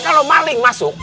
kalau maling masuk